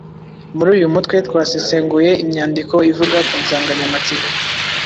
Muri uyu mutwe twasesenguye imyandiko ivuga ku nsanganyamatsiko